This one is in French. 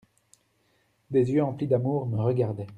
Des yeux emplis d’amour me regardaient.